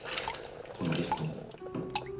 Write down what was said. このリストも。